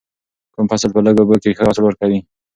کوم فصل په لږو اوبو کې ښه حاصل ورکوي؟